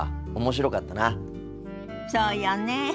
そうよね。